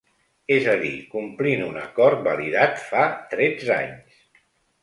És a dir, complint un acord validat fa tretze anys.